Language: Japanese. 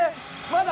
まだ？